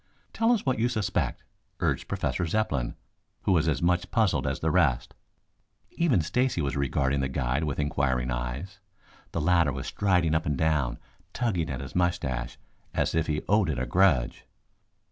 "Tell us what you suspect," urged Professor Zepplin, who was as much puzzled as the rest. Even Stacy was regarding the guide with inquiring eyes. The latter was striding up and down, tugging at his moustache as if he owed it a grudge.